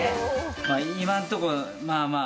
今んとこまあまあ。